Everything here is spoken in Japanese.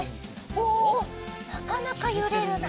おおなかなかゆれるな。